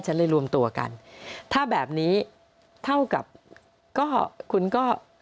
ฉันเลยรวมตัวกันถ้าแบบนี้เท่ากับก็คุณก็